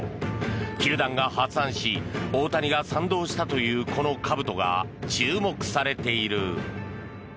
球団が発案し大谷が賛同したというこのかぶとが注目されている。